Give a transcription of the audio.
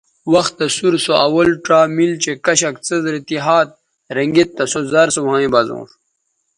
وختہ سور سو اول ڇا مِل چہء کشک څیز رے تی ھات رھنگید تہ سو زر سو ھویں بزونݜ